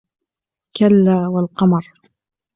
كَلاَّ وَالْقَمَرِ